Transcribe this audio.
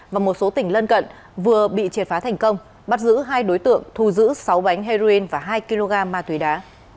và một số tỉnh lân cận vừa bị triệt phá thành công bắt giữ hai đối tượng thu giữ sáu bánh heroin và hai kg ma túy đá